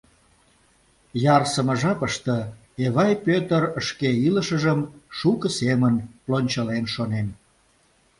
Ярсыме жапыште Эвай Пӧтыр шке илышыжым шуко семын лончылен шонен.